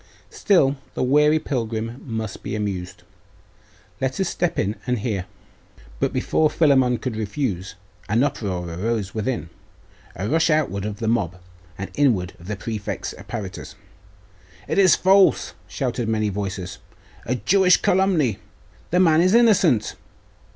Still the weary pilgrim must be amused. Let us step in and hear.' But before Philammon could refuse, an uproar arose within, a rush outward of the mob, and inward of the prefect's apparitors. 'It is false!' shouted many voices. 'A Jewish calumny! The man is innocent!